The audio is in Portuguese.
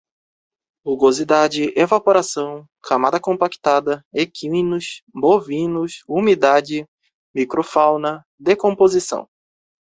rugosidade, evaporação, camada compactada, equinos, bovinos, humidade, micro-fauna, decomposição